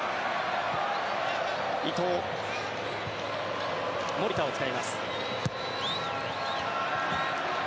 伊藤、守田を使います。